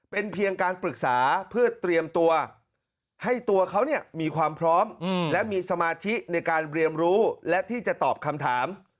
เป็นเพียงการปรึกษาเพื่อเตรียมตัวให้ตัวเขาเนี่ยมีความพร้อมและมีสมาธิในการเรียนรู้และที่จะตอบคำถาม